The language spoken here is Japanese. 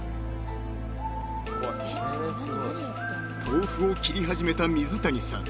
［豆腐を切り始めた水谷さん］